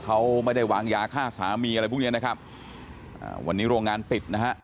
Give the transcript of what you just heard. เขาไม่ได้วางยาฆ่าสามีอะไรพวกเนี้ยนะครับอ่าวันนี้โรงงานปิดนะฮะ